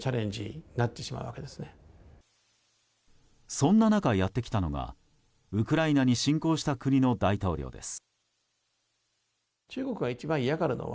そんな中やってきたのがウクライナに侵攻した国の大統領です。